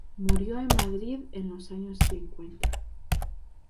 Murió en Madrid en los años cincuenta.